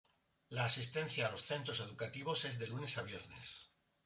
La asistencia a los centros educativos es de lunes a viernes.